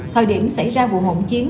thời điểm xảy ra vụ hỗn chiến